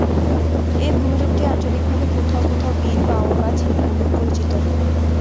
এ ভূমিরূপটি আঞ্চলিকভাবে কোথাও কোথাও বিল, বাঁওড় বা ঝিল নামেও পরিচিত।